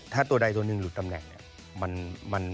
ถ้าตัวใดตัวหนึ่งหลุดตำแหน่งเนี่ย